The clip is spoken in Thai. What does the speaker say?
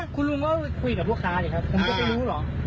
คุณลุงก็คุยกับลูกค้าสิครับผมก็ไม่รู้เหรอ